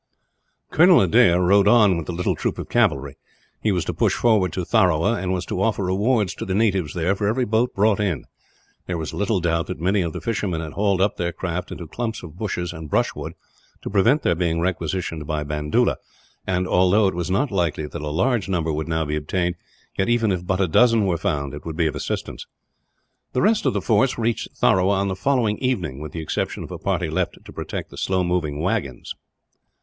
Colonel Adair rode on with the little troop of cavalry. He was to push forward to Tharawa, and was to offer rewards to the natives there for every boat brought in. There was little doubt that many of the fishermen had hauled up their craft into clumps of bushes and brush wood, to prevent their being requisitioned by Bandoola and, although it was not likely that a large number would now be obtained, yet even if but a dozen were found, it would be of assistance. The rest of the force reached Tharawa on the following evening, with the exception of a party left to protect the slow moving waggons.